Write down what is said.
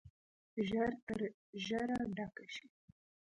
ژر تر ژره ډکه شي.